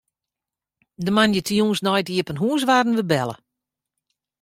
De moandeitejûns nei it iepen hûs waarden wy belle.